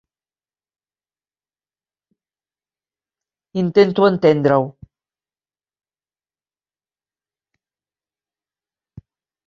Intento entendre-ho.